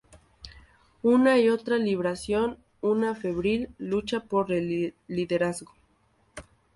Una y otra libraban una febril lucha por el liderazgo.